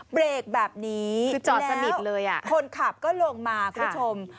เบรกแบบนี้แล้วแล้วคนขับก็ลงมาคุณผู้ชม